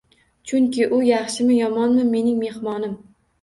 Chunki u, yaxshimi, yomonmi, mening mehmonim.